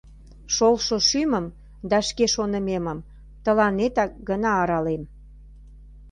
Шолшо шӱмым да шке шонымемым Тыланетак гына аралем.